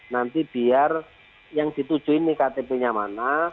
nanti biar yang dituju ini ktp nya mana